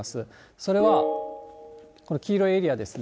それはこの黄色いエリアですね。